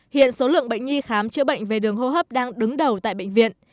hiện số lượng bệnh nhi khám chữa bệnh về đường hô hấp đang đứng đầu tại bệnh viện